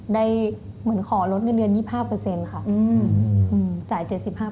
ได้เหมือนขอลดเงินเดือน๒๕ค่ะ